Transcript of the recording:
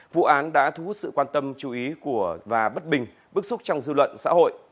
vụ án đã thu hút sự quan tâm chú ý và bất bình bức xúc trong dư luận xã hội